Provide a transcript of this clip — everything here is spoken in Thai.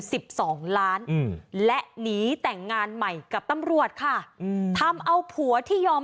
สิบสองล้านอืมและหนีแต่งงานใหม่กับตำรวจค่ะอืมทำเอาผัวที่ยอม